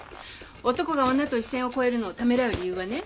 男が女と一線を越えるのをためらう理由はね